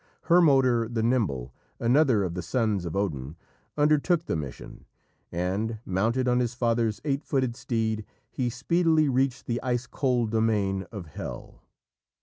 Hermoder the Nimble, another of the sons of Odin, undertook the mission, and, mounted on his father's eight footed steed, he speedily reached the ice cold domain of Hel.